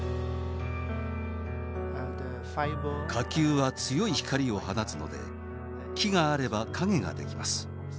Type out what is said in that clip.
火球は強い光を放つので木があれば影が出来ます。